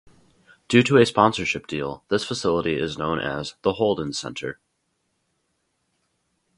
Due to a sponsorship deal, this facility is known as 'The Holden Centre'.